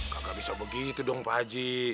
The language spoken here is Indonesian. kakak bisa begitu dong pak haji